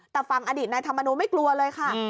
แต่ฝั่งอดีตนายธรรมนูลไม่กลัวเลยค่ะ